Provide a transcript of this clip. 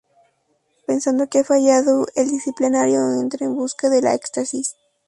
Pensando que ha fallado, el disciplinario entra en busca de la Éxtasis.